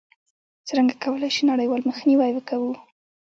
څرنګه کولای شو نړیوال مخنیوی وکړو؟